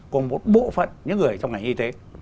của một bộ phận những người trong ngành y tế